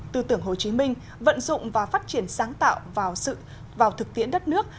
tư tưởng hồ chí minh vận dụng và phát triển sáng tạo vào thực tiễn đất nước